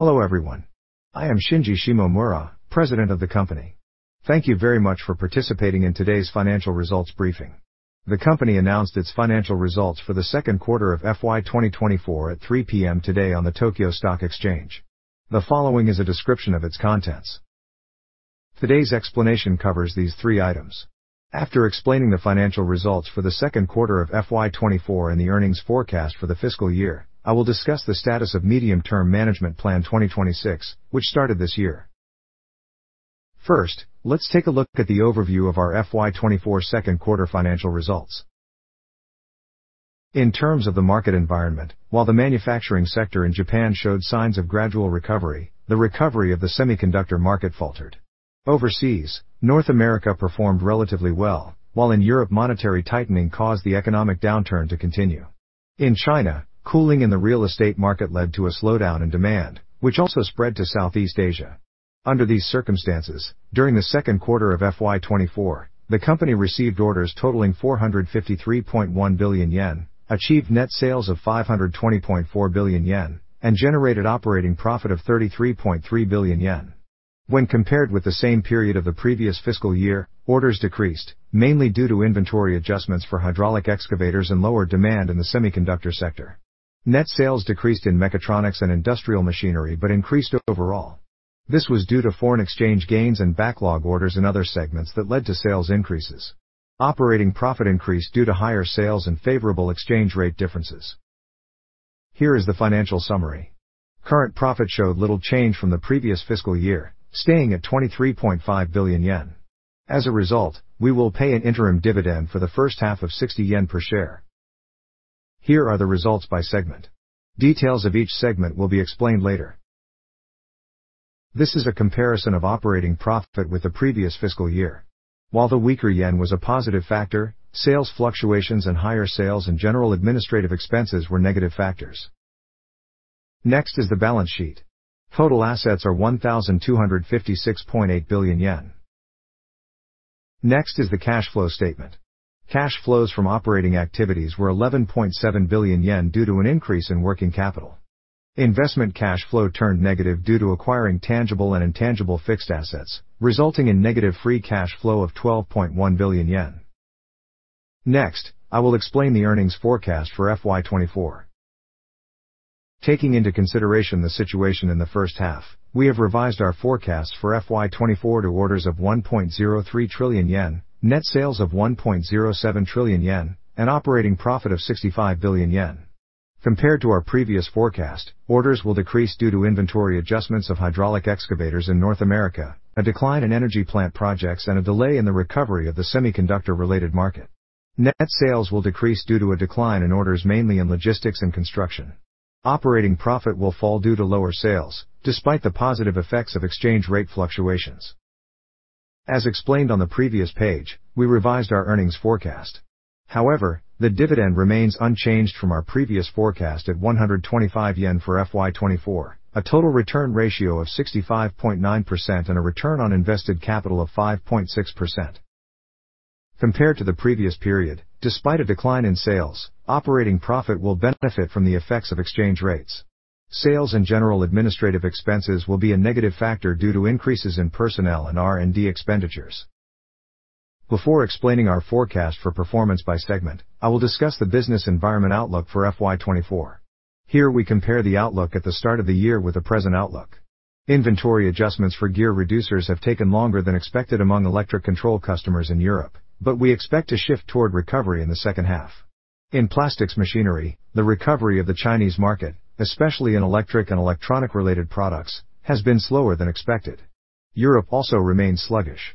Hello everyone. I am Shinji Shimomura, President of the company. Thank you very much for participating in today's financial results briefing. The company announced its financial results for the second quarter of FY 2024 at 3:00 P.M. today on the Tokyo Stock Exchange. The following is a description of its contents. Today's explanation covers these three items. After explaining the financial results for the second quarter of FY 2024 and the earnings forecast for the fiscal year, I will discuss the status of Medium-Term Management Plan 2026, which started this year. First, let's take a look at the overview of our FY 2024 second quarter financial results. In terms of the market environment, while the manufacturing sector in Japan showed signs of gradual recovery, the recovery of the semiconductor market faltered. Overseas, North America performed relatively well, while in Europe, monetary tightening caused the economic downturn to continue. In China, cooling in the real estate market led to a slowdown in demand, which also spread to Southeast Asia. Under these circumstances, during the second quarter of FY2024, the company received orders totaling 453.1 billion yen, achieved net sales of 520.4 billion yen, and generated operating profit of 33.3 billion yen. When compared with the same period of the previous fiscal year, orders decreased, mainly due to inventory adjustments for hydraulic excavators and lower demand in the semiconductor sector. Net sales decreased in mechatronics and industrial machinery, but increased overall. This was due to foreign exchange gains and backlog orders in other segments that led to sales increases. Operating profit increased due to higher sales and favorable exchange rate differences. Here is the financial summary. Current profit showed little change from the previous fiscal year, staying at 23.5 billion yen. As a result, we will pay an interim dividend for the first half of 60 yen per share. Here are the results by segment. Details of each segment will be explained later. This is a comparison of operating profit with the previous fiscal year. While the weaker yen was a positive factor, sales fluctuations and higher sales and general administrative expenses were negative factors. Next is the balance sheet. Total assets are 1,256.8 billion yen. Next is the cash flow statement. Cash flows from operating activities were 11.7 billion yen due to an increase in working capital. Investment cash flow turned negative due to acquiring tangible and intangible fixed assets, resulting in negative free cash flow of 12.1 billion yen. Next, I will explain the earnings forecast for FY 2024. Taking into consideration the situation in the first half, we have revised our forecast for FY 2024 to orders of 1.03 trillion yen, net sales of 1.07 trillion yen, and operating profit of 65 billion yen. Compared to our previous forecast, orders will decrease due to inventory adjustments of hydraulic excavators in North America, a decline in energy plant projects, and a delay in the recovery of the semiconductor-related market. Net sales will decrease due to a decline in orders, mainly in logistics and construction. Operating profit will fall due to lower sales, despite the positive effects of exchange rate fluctuations. As explained on the previous page, we revised our earnings forecast. However, the dividend remains unchanged from our previous forecast at 125 yen for FY 2024, a total return ratio of 65.9% and a return on invested capital of 5.6%. Compared to the previous period, despite a decline in sales, operating profit will benefit from the effects of exchange rates. Sales and general administrative expenses will be a negative factor due to increases in personnel and R&D expenditures. Before explaining our forecast for performance by segment, I will discuss the business environment outlook for FY 2024. Here, we compare the outlook at the start of the year with the present outlook. Inventory adjustments for gear reducers have taken longer than expected among electric control customers in Europe, but we expect to shift toward recovery in the second half. In plastics machinery, the recovery of the Chinese market, especially in electric and electronic-related products, has been slower than expected. Europe also remains sluggish,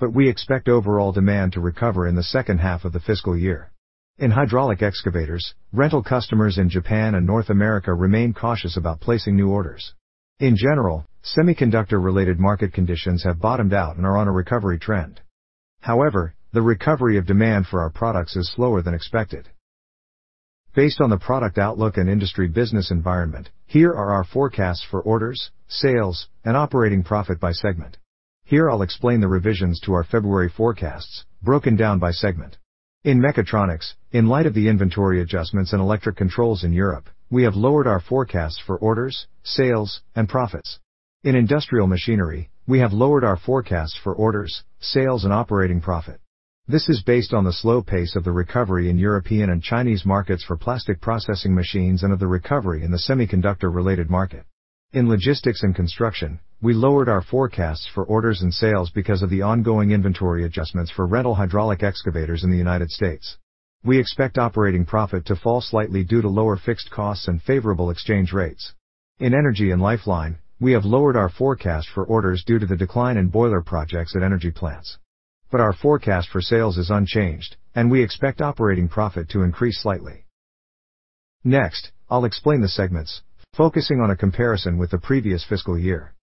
but we expect overall demand to recover in the second half of the fiscal year. In hydraulic excavators, rental customers in Japan and North America remain cautious about placing new orders. In general, semiconductor-related market conditions have bottomed out and are on a recovery trend. However, the recovery of demand for our products is slower than expected. Based on the product outlook and industry business environment, here are our forecasts for orders, sales, and operating profit by segment. Here, I'll explain the revisions to our February forecasts broken down by segment. In mechatronics, in light of the inventory adjustments in electric controls in Europe, we have lowered our forecasts for orders, sales, and profits. In industrial machinery, we have lowered our forecasts for orders, sales, and operating profit. This is based on the slow pace of the recovery in European and Chinese markets for plastic processing machines and of the recovery in the semiconductor-related market. In logistics and construction, we lowered our forecasts for orders and sales because of the ongoing inventory adjustments for rental hydraulic excavators in the United States. We expect operating profit to fall slightly due to lower fixed costs and favorable exchange rates. In energy and lifeline, we have lowered our forecast for orders due to the decline in boiler projects at energy plants, but our forecast for sales is unchanged, and we expect operating profit to increase slightly. Next, I'll explain the segments, focusing on a comparison with the previous fiscal year.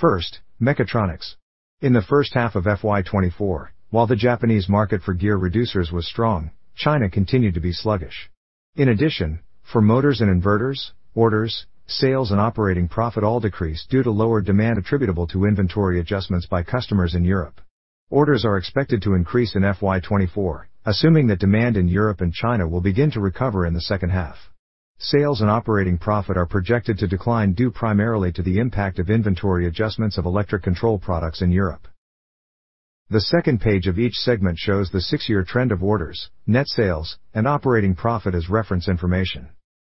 First, mechatronics. In the first half of FY 2024, while the Japanese market for gear reducers was strong, China continued to be sluggish. In addition, for motors and inverters, orders, sales, and operating profit all decreased due to lower demand attributable to inventory adjustments by customers in Europe. Orders are expected to increase in FY 2024, assuming that demand in Europe and China will begin to recover in the second half. Sales and operating profit are projected to decline due primarily to the impact of inventory adjustments of electric control products in Europe. The second page of each segment shows the 6-year trend of orders, net sales, and operating profit as reference information.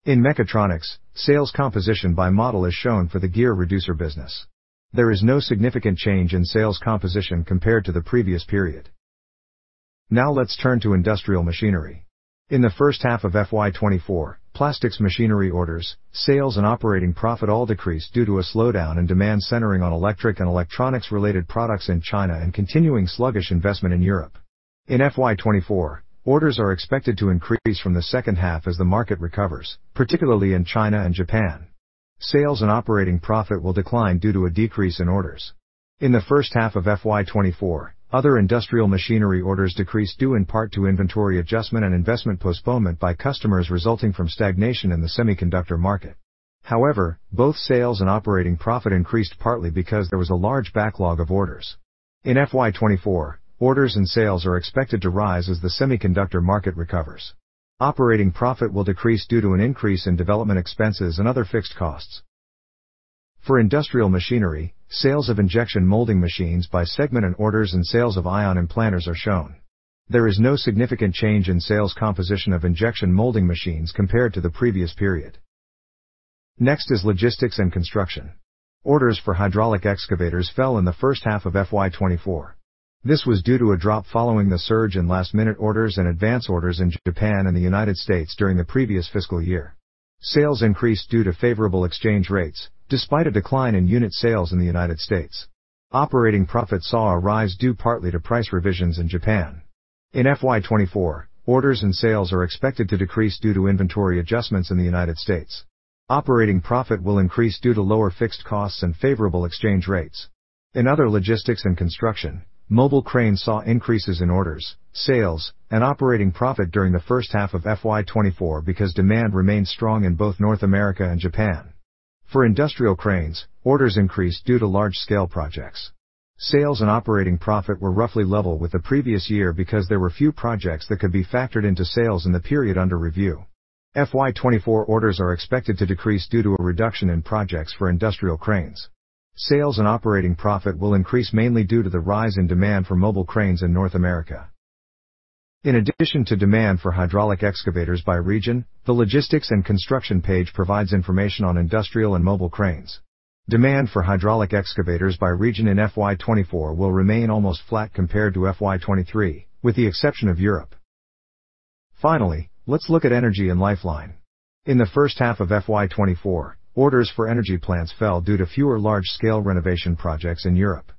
In mechatronics, sales composition by model is shown for the gear reducer business. There is no significant change in sales composition compared to the previous period. Now let's turn to industrial machinery. In the first half of FY2024, plastics machinery orders, sales, and operating profit all decreased due to a slowdown in demand centering on electric and electronics-related products in China and continuing sluggish investment in Europe. In FY2024, orders are expected to increase from the second half as the market recovers, particularly in China and Japan. Sales and operating profit will decline due to a decrease in orders. In the first half of FY2024, other industrial machinery orders decreased due in part to inventory adjustment and investment postponement by customers resulting from stagnation in the semiconductor market. However, both sales and operating profit increased partly because there was a large backlog of orders. In FY2024, orders and sales are expected to rise as the semiconductor market recovers. Operating profit will decrease due to an increase in development expenses and other fixed costs. For industrial machinery, sales of injection molding machines by segment and orders and sales of ion implanters are shown. There is no significant change in sales composition of injection molding machines compared to the previous period. Next is logistics and construction. Orders for hydraulic excavators fell in the first half of FY 2024. This was due to a drop following the surge in last-minute orders and advance orders in Japan and the United States during the previous fiscal year. Sales increased due to favorable exchange rates, despite a decline in unit sales in the United States. Operating profit saw a rise due partly to price revisions in Japan. In FY 2024, orders and sales are expected to decrease due to inventory adjustments in the United States. Operating profit will increase due to lower fixed costs and favorable exchange rates. In other logistics and construction, mobile cranes saw increases in orders, sales, and operating profit during the first half of FY 2024 because demand remained strong in both North America and Japan. For industrial cranes, orders increased due to large-scale projects. Sales and operating profit were roughly level with the previous year because there were few projects that could be factored into sales in the period under review. FY 2024 orders are expected to decrease due to a reduction in projects for industrial cranes. Sales and operating profit will increase mainly due to the rise in demand for mobile cranes in North America. In addition to demand for hydraulic excavators by region, the logistics and construction page provides information on industrial and mobile cranes. Demand for hydraulic excavators by region in FY 2024 will remain almost flat compared to FY 2023, with the exception of Europe. Finally, let's look at energy and lifeline. In the first half of FY 2024, orders for energy plants fell due to fewer large-scale renovation projects in Europe,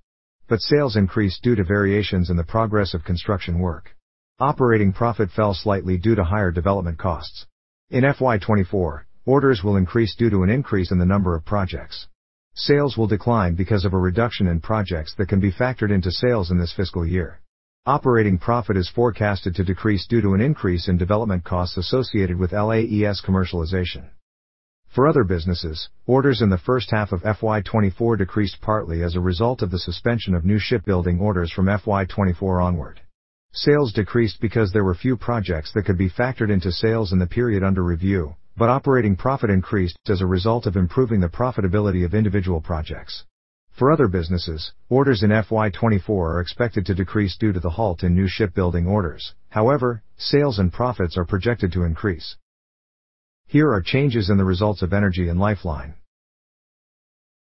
but sales increased due to variations in the progress of construction work. Operating profit fell slightly due to higher development costs. In FY 2024, orders will increase due to an increase in the number of projects. Sales will decline because of a reduction in projects that can be factored into sales in this fiscal year. Operating profit is forecasted to decrease due to an increase in development costs associated with LAES commercialization. For other businesses, orders in the first half of FY 2024 decreased partly as a result of the suspension of new shipbuilding orders from FY 2024 onward. Sales decreased because there were few projects that could be factored into sales in the period under review, but operating profit increased as a result of improving the profitability of individual projects. For other businesses, orders in FY 2024 are expected to decrease due to the halt in new shipbuilding orders. However, sales and profits are projected to increase. Here are changes in the results of energy and lifeline.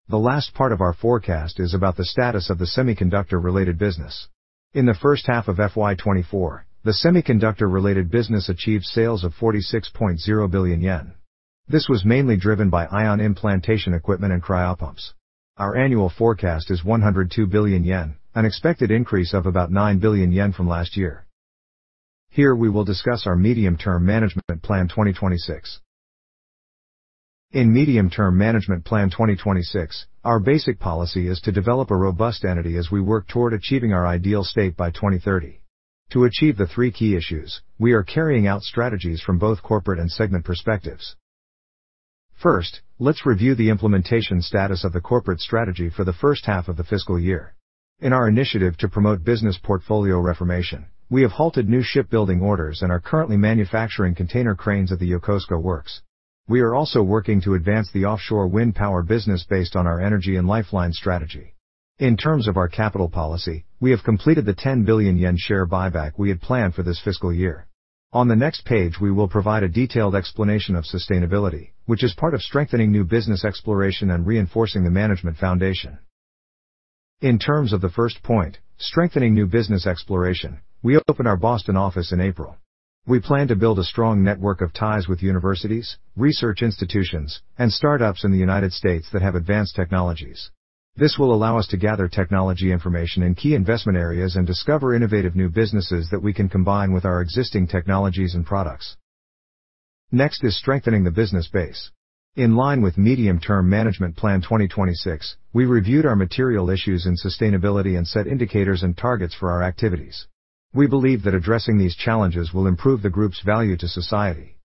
The last part of our forecast is about the status of the semiconductor-related business. In the first half of FY 2024, the semiconductor-related business achieved sales of 46.0 billion yen. This was mainly driven by ion implantation equipment and cryopumps. Our annual forecast is 102 billion yen, an expected increase of about 9 billion yen from last year. Here, we will discuss our Medium-Term Management Plan 2026. In Medium-Term Management Plan 2026, our basic policy is to develop a robust entity as we work toward achieving our ideal state by 2030. To achieve the three key issues, we are carrying out strategies from both corporate and segment perspectives. First, let's review the implementation status of the corporate strategy for the first half of the fiscal year. In our initiative to promote business portfolio reformation, we have halted new shipbuilding orders and are currently manufacturing container cranes at the Yokosuka Works. We are also working to advance the offshore wind power business based on our energy and lifeline strategy. In terms of our capital policy, we have completed the 10 billion yen share buyback we had planned for this fiscal year. On the next page, we will provide a detailed explanation of sustainability, which is part of strengthening new business exploration and reinforcing the management foundation. In terms of the first point, strengthening new business exploration, we opened our Boston office in April. We plan to build a strong network of ties with universities, research institutions, and startups in the United States that have advanced technologies. This will allow us to gather technology information in key investment areas and discover innovative new businesses that we can combine with our existing technologies and products. Next is strengthening the business base. In line with Medium-Term Management Plan 2026, we reviewed our material issues in sustainability and set indicators and targets for our activities. We believe that addressing these challenges will improve the group's value to society.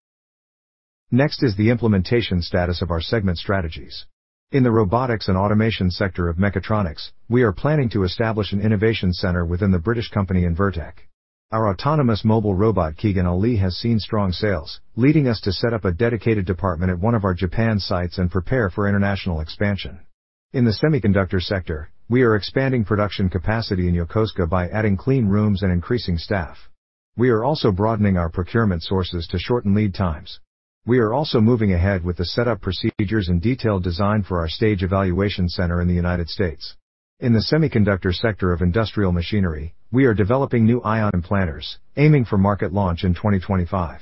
Next is the implementation status of our segment strategies. In the robotics and automation sector of mechatronics, we are planning to establish an innovation center within the British company, Invertek. Our autonomous mobile robot, KeiganALI, has seen strong sales, leading us to set up a dedicated department at one of our Japan sites and prepare for international expansion. In the semiconductor sector, we are expanding production capacity in Yokosuka by adding clean rooms and increasing staff. We are also broadening our procurement sources to shorten lead times. We are also moving ahead with the setup procedures and detailed design for our stage evaluation center in the United States. In the semiconductor sector of industrial machinery, we are developing new ion implanters, aiming for market launch in 2025.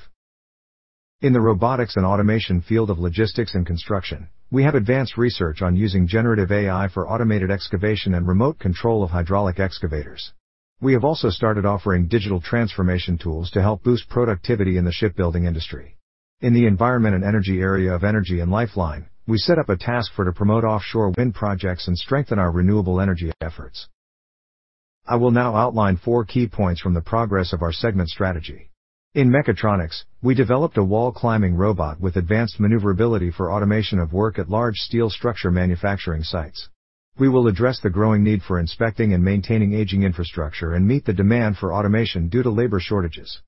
In the robotics and automation field of logistics and construction, we have advanced research on using generative AI for automated excavation and remote control of hydraulic excavators. We have also started offering digital transformation tools to help boost productivity in the shipbuilding industry. In the environment and energy area of energy and lifeline, we set up a task force to promote offshore wind projects and strengthen our renewable energy efforts. I will now outline four key points from the progress of our segment strategy. In mechatronics, we developed a wall-climbing robot with advanced maneuverability for automation of work at large steel structure manufacturing sites. We will address the growing need for inspecting and maintaining aging infrastructure and meet the demand for automation due to labor shortages.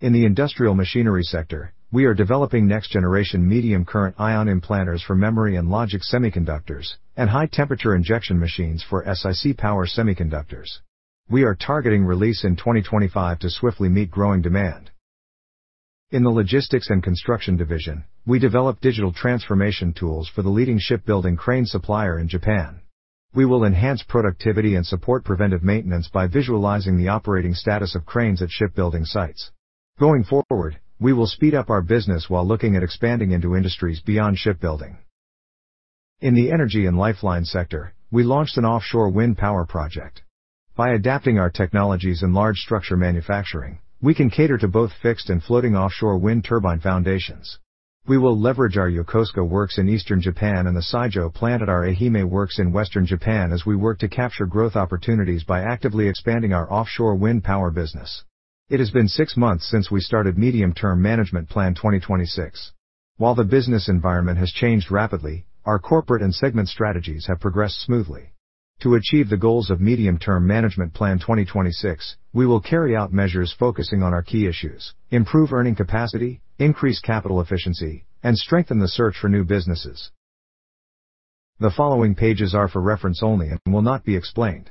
In the industrial machinery sector, we are developing next-generation medium current ion implanters for memory and logic semiconductors and high-temperature injection machines for SiC power semiconductors. We are targeting release in 2025 to swiftly meet growing demand. In the logistics and construction division, we developed digital transformation tools for the leading shipbuilding crane supplier in Japan. We will enhance productivity and support preventive maintenance by visualizing the operating status of cranes at shipbuilding sites. Going forward, we will speed up our business while looking at expanding into industries beyond shipbuilding. In the energy and lifeline sector, we launched an offshore wind power project. By adapting our technologies in large structure manufacturing, we can cater to both fixed and floating offshore wind turbine foundations. We will leverage our Yokosuka Works in eastern Japan and the Saijo Plant at our Ehime Works in western Japan as we work to capture growth opportunities by actively expanding our offshore wind power business. It has been six months since we started Medium-Term Management Plan 2026. While the business environment has changed rapidly, our corporate and segment strategies have progressed smoothly. To achieve the goals of Medium-Term Management Plan 2026, we will carry out measures focusing on our key issues: improve earning capacity, increase capital efficiency, and strengthen the search for new businesses. The following pages are for reference only and will not be explained.